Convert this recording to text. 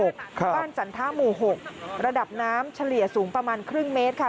บ้านจันทะหมู่๖ระดับน้ำเฉลี่ยสูงประมาณครึ่งเมตรค่ะ